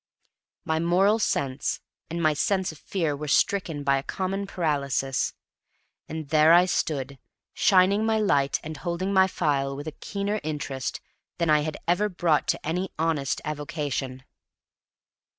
My moral sense and my sense of fear were stricken by a common paralysis. And there I stood, shining my light and holding my phial with a keener interest than I had ever brought to any honest avocation.